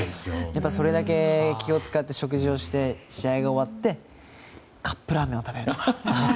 それまで気を使って食事をして試合が終わってカップラーメンを食べるとか。